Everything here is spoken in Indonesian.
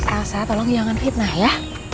elsa tolong jangan fitnah ya